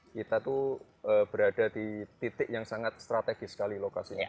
kita tuh berada di titik yang sangat strategis sekali lokasinya